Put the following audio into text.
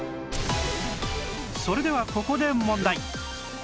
それではここで問題